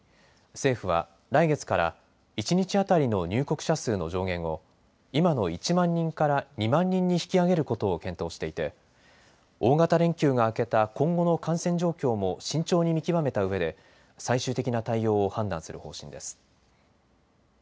政府は来月から一日当たりの入国者数の上限を今の１万人から２万人に引き上げることを検討していて大型連休が明けた今後の感染状況も慎重に見極めたうえで最終的な対応を判断する方針です。